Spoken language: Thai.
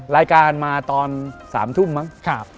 รายการมาตอน๓ทุ่มมั้ง